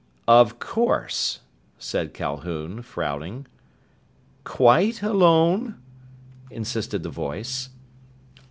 "Of course," said Calhoun, frowning. "Quite alone?" insisted the voice.